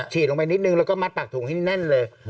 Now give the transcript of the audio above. ชีดลงไปนิดหนึ่งแล้วมัดแต็งถุงให้แน่นเลย